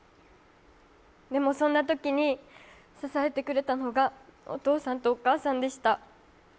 でもそんなときに支えてくれたのがお父さんとお母さんでした。